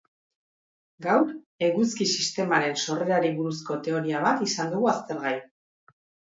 Gaur, eguzki sistemaren sorrerari buruzko teoria bat izan dugu aztergai.